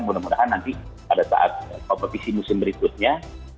mudah mudahan nanti pada saat kompetisi musim berikutnya